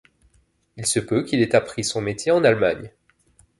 Il se peut qu'il ait appris son métier en Allemagne.